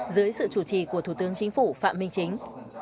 dưới sự chủ trì của thủ tướng chính phủ phạm minh chính